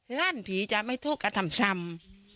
หล้านผีจะไม่โทษกับธรรมสำ